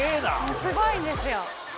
すごいんですよ。